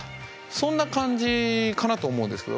そんな感じかなと思うんですけど